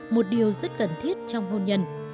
một điều rất cần thiết trong hôn nhân